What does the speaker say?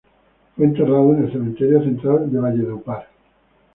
Fue enterrado en el cementerio central de Valledupar.